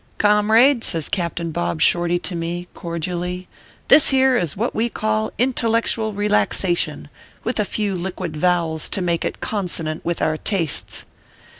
" Comrade/ says Captain Bob Shorty to me, cor dially, "this here is what we call intellectual relax ation, with a few liquid vowels to make it consonant with our tastes."